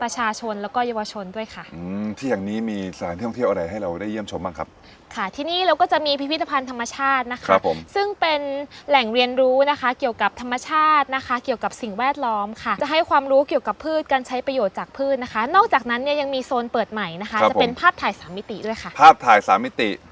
แล้วก็เยาวชนด้วยค่ะอืมที่แห่งนี้มีสถานที่ท่องเที่ยวอะไรให้เราได้เยี่ยมชมบ้างครับค่ะที่นี่เราก็จะมีพิพิธภัณฑ์ธรรมชาตินะคะครับผมซึ่งเป็นแหล่งเรียนรู้นะคะเกี่ยวกับธรรมชาตินะคะเกี่ยวกับสิ่งแวดล้อมค่ะจะให้ความรู้เกี่ยวกับพืชการใช้ประโยชน์จากพืชนะคะนอกจากนั้นเนี่ยยังมีโซนเปิดใหม่นะคะจะเป็นภาพถ่ายสามมิติด้วยค่ะภาพถ่ายสามมิติ